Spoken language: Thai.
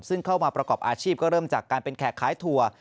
ซึ่งเข้ามาประกอบอาชีพก็เริ่มจากการเป็นแขกขายถั่ว